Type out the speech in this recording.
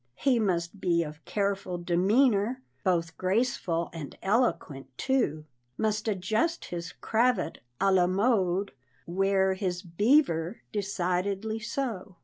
He must be of careful demeanor, Both graceful and eloquent too, Must adjust his cravat "a la mode," Wear his beaver, decidedly, so.